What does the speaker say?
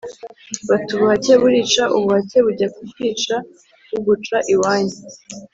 bati ubuhake burica; ubuhake bujya kukwica buguca iwanyu;